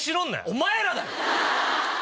お前らだよ！